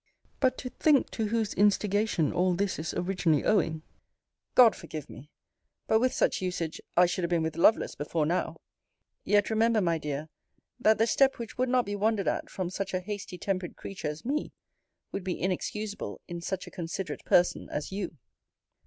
But to think to whose instigation all this is originally owing God forgive me; but with such usage I should have been with Lovelace before now! Yet remember, my dear, that the step which would not be wondered at from such a hasty tempered creatures as me, would be inexcusable in such a considerate person as you.